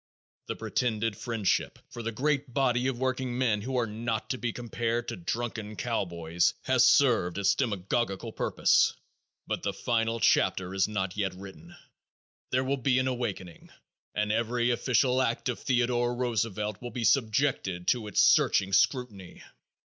The pretended friendship for the great body of workingmen who are not to be compared to drunken cowboys has served its demagogical purpose, but the final chapter is not yet written. There will be an awakening, and every official act of Theodore Roosevelt will be subjected to its searching scrutiny.